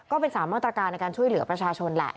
ก็เป็น๓มาตรการในการช่วยเหลือประชาชนแหละ